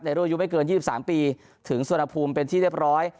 รุ่นอายุไม่เกิน๒๓ปีถึงสุวรรณภูมิเป็นที่เรียบร้อย